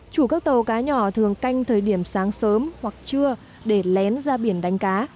chủ các tàu cá nhỏ thường canh thời điểm sáng sớm hoặc trưa để lén ra biển đánh cá